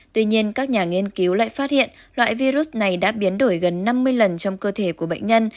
tuy nhiên các nhà nghiên cứu lại phát hiện loại virus này đã biến đổi gần năm mươi lần trong cơ thể của bệnh nhân